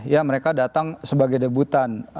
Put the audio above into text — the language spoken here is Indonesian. ya mereka datang sebagai debutan